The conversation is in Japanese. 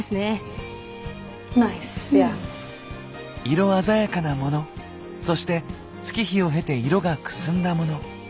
色鮮やかなモノそして月日を経て色がくすんだモノ。